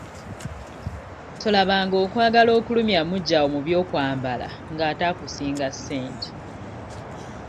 Tolabanga okwagala okulumya muggyawo mu by'okwambala ng'ate akusinga ssente.